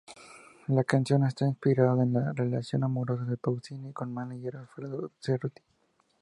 La canción está inspirada en la relación amorosa de Pausini con mánager Alfredo Cerruti.